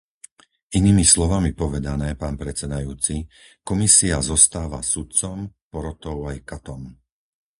Inými slovami povedané, pán predsedajúci, Komisia zostáva sudcom, porotou aj katom.